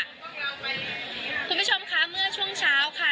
คุณผู้ชมคะเมื่อช่วงเช้าค่ะ